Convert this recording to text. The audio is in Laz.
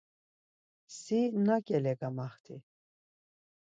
Si nakele gamaxti?